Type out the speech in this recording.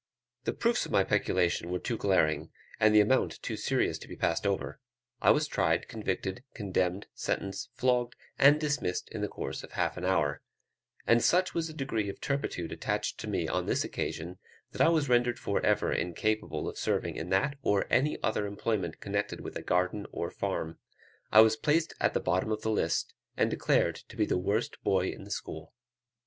The proofs of my peculation were too glaring, and the amount too serious to be passed over; I was tried, convicted, condemned, sentenced, flogged, and dismissed in the course of half an hour; and such was the degree of turpitude attached to me on this occasion, that I was rendered for ever incapable of serving in that or any other employment connected with the garden or farm; I was placed at the bottom of the list, and declared to be the worst boy in the school.